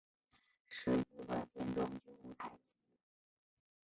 十部短片中均无台词。